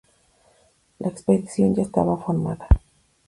La expedición ya estaba formada.